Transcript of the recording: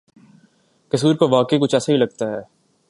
قصور کا واقعہ کچھ ایسا ہی لگتا ہے۔